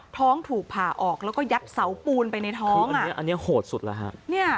ท้องถูกผ่าออกแล้วก็ยัดเสาปูนไปในท้องอันนี้อันนี้โหดสุดแล้วฮะ